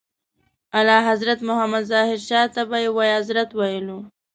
اعلیحضرت محمد ظاهر شاه ته به یې وایي اذرت ویلو.